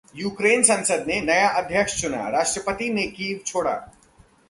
यूक्रेनी संसद ने नया अध्यक्ष चुना, राष्ट्रपति ने कीव छोड़ा